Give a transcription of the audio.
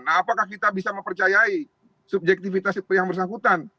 nah apakah kita bisa mempercayai subjektivitas yang bersangkutan